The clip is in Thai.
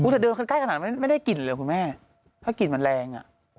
แต่เดินใกล้ขนาดนั้นไม่ได้กลิ่นเลยคุณแม่ถ้ากลิ่นมันแรงอ่ะ